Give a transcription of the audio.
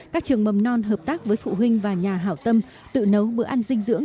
các trường mầm non hợp tác với phụ huynh và nhà hảo tâm tự nấu bữa ăn dinh dưỡng